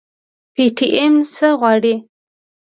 پي ټي ايم څه غواړي؟